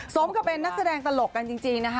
สมกับเป็นนักแสดงตลกกันจริงนะคะ